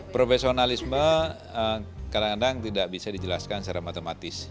profesionalisme kadang kadang tidak bisa dijelaskan secara matematis